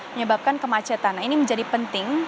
menyebabkan kemacetan ini menjadi penting